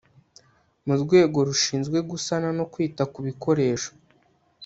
mu rwego rushinzwe gusana no kwita ku bikoresho